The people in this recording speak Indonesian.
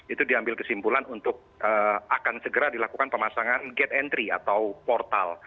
itu diambil kesimpulan untuk akan segera dilakukan pemasangan gate entry atau portal